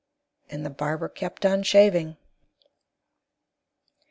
And the barber kept on shaving.